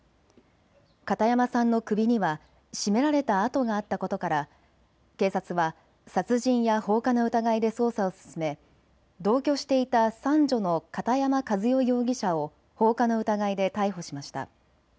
片山さんの首には絞められた痕があったことから警察は殺人や放火の疑いで捜査を進め同居していた三女の片山和代容疑者を放火の疑いで逮捕しました。